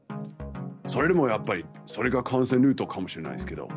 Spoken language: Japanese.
それでもやっぱり、それが感染ルートかもしれないですけど。